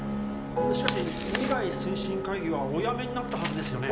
しかし未来推進会議はお辞めになったはずですよね？